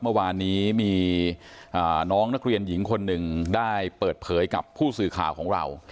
เมื่อวานนี้มีน้องนักเรียนหญิงคนหนึ่งได้เปิดเผยกับผู้สื่อข่าวของเรา